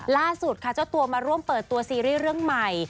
ล่าสุดค่ะเจ้าตัวมาร่วมเปิดตัวซีรีส์เรื่องใหม่